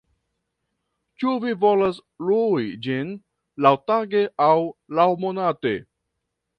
Ĉu vi volas lui ĝin laŭtage aŭ laŭmonate?